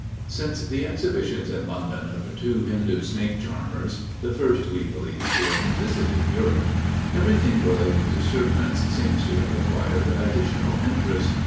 Since the exhibitions in London of the two Hindoo snake charmers the first we believe who ever visited Europe everything relating to serpents seems to have acquired additional interest.